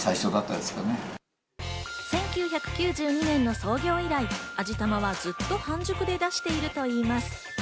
１９９２年の創業以来、味玉はずっと半熟で出しているといいます。